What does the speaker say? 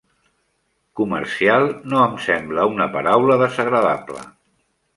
Comercial no em sembla una paraula desagradable.